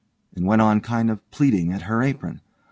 and went on kind of pleating at her apron.